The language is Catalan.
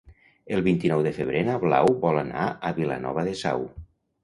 El vint-i-nou de febrer na Blau vol anar a Vilanova de Sau.